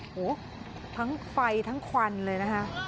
โหทั้งไฟทั้งควันเลยนะคะ